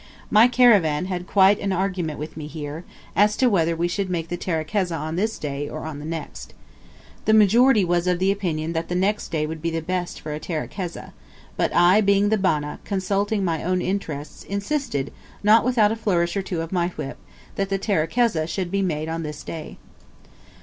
My caravan had quite an argument with me here, as to whether we should make the terekeza on this day or on the next. The majority was of the opinion that the next day would be the best for a terekeza; but I, being the "bana," consulting my own interests, insisted, not without a flourish or two of my whip, that the terekeza should be made on this day.